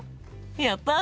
やった！